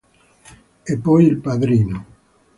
E poi il padrino.